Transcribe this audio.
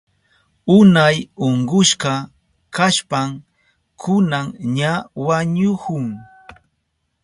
Unay unkushka kashpan kunan ña wañuhun